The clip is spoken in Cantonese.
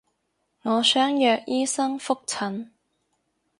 我想約醫生覆診